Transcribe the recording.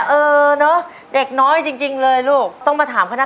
เพราะว่าเพราะว่าเพราะ